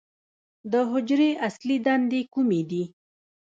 د حجرې اصلي دندې کومې دي؟